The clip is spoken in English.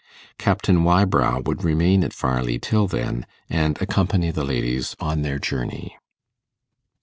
Captain Wybrow would remain at Farleigh till then, and accompany the ladies on their journey.